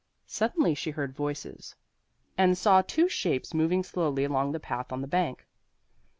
Suddenly she heard voices and saw two shapes moving slowly along the path on the bank.